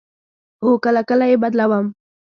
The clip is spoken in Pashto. هو، کله کله یی بدلوم